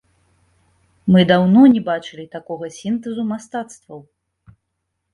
Мы даўно не бачылі такога сінтэзу мастацтваў.